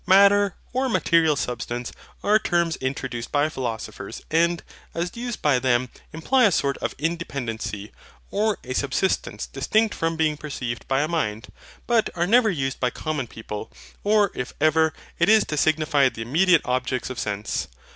MATTER, or MATERIAL SUBSTANCE, are terms introduced by philosophers; and, as used by them, imply a sort of independency, or a subsistence distinct from being perceived by a mind: but are never used by common people; or, if ever, it is to signify the immediate objects of sense.